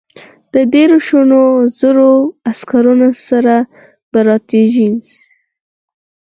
د دیرشو زرو عسکرو سره به را ستنېږي.